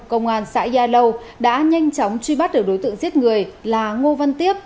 công an xã gia lâu đã nhanh chóng truy bắt được đối tượng giết người là ngô văn tiếp